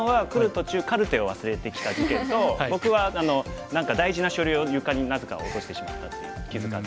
途中カルテを忘れてきた事件と僕は何か大事な書類を床になぜか落としてしまったっていう気付かず。